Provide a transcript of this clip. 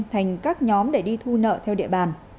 thành các nhóm để đi thu nợ theo địa bàn